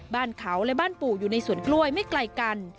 บ้านเขาและบ้านปู่อยู่ในสวนกล้วยไม่ไกลกัน